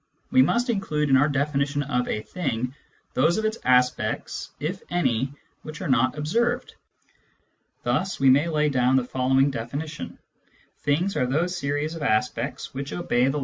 We must include in our definition of a " thing " those of its aspects, if any, which are not observed. Thus we may lay down the following definition : Th ings are those series of aspects which obey fh a